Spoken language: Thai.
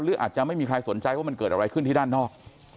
หรืออาจจะไม่มีใครสนใจว่ามันเกิดอะไรขึ้นที่ด้านนอก